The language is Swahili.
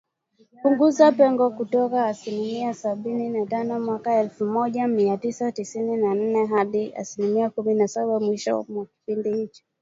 Kupunguza pengo kutoka asilimia sabini na tano mwaka elfu moja mia tisa tisini na nne hadi asilimia kumi na saba mwishoni mwa kipindi hicho.